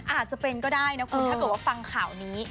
อาจจะเป็นก็ได้นะคุณถ้าเกิดว่าฟังข่าวนี้